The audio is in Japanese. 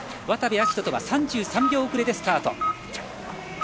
渡部暁斗とは３３秒遅れでスタート。